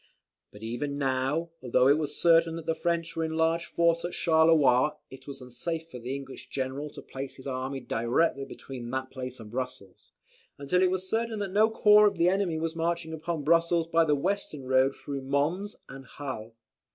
But even now, though it was certain that the French were in large force at Charleroi it was unsafe for the English general to place his army directly between that place and Brussels, until it was certain that no corps of the enemy was marching upon Brussels by the western road through Mons and Hal.